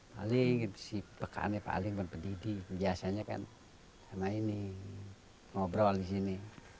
paling si pekan pak aling pendidik biasanya kan sama ini ngobrol disini